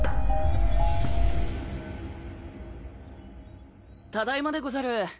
ただいまでござる。